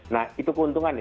nah itu keuntungannya